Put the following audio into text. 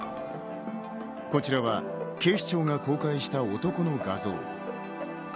こちらは警視庁が公開した男の画像。